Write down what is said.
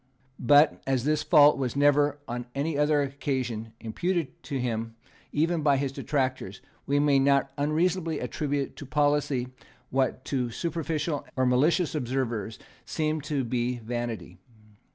But, as this fault was never, on any other occasion, imputed to him even by his detractors, we may not unreasonably attribute to policy what to superficial or malicious observers seemed to be vanity.